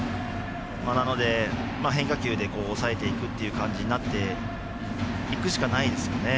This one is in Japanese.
変化球で抑えていくっていう感じになっていくしかないですよね。